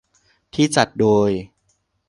ที่จัดโดย